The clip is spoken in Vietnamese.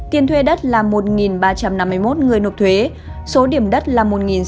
tiền thuê đất là một ba trăm năm mươi một người nộp thuế số điểm đất là một sáu trăm linh